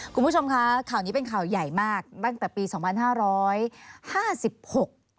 คุณผู้ชมคะข่าวนี้เป็นข่าวใหญ่มากตั้งแต่ปีสองพันห้าร้อยห้าสิบหก